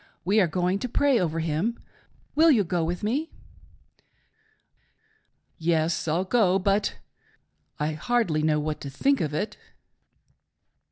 We are going to pray over him ; will you go with me ? L. P. : Yes. I'll go, but — but I hardly know what to think of it.